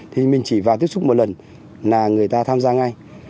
thì mình chỉ vào tiếp xúc một lần là người ta tham gia ngay